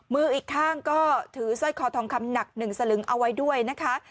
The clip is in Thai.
มืออีกข้างก็ถือสร้อยคอทองคำหนัก๑สลึงเอาไว้ด้วยนะคะ